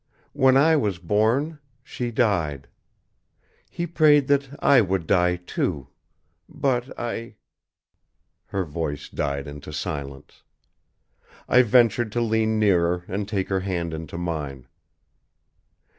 When I was born, she died. He prayed that I would die, too. But I " Her voice died into silence. I ventured to lean nearer and take her hand into mine.